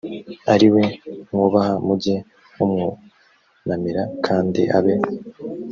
ari we mwubaha mujye mumwunamira kandi abe